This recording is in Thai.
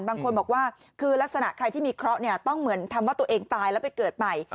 บางคนบอกว่าคือลักษณะใครที่มีเคราะห์เนี่ยต้องเหมือนทำว่าตัวเองตายแล้วไปเกิดใหม่